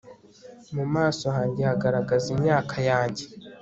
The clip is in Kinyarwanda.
mu maso hanjye hagaragaza imyaka yanjye